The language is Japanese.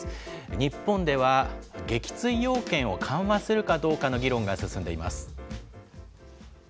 日本では撃墜要件を緩和するかどうかの議論が進んでいます。